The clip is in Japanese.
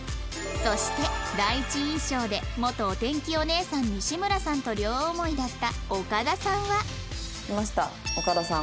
そして第一印象で元お天気お姉さん西村さんと両思いだった岡田さんは来ました岡田さん。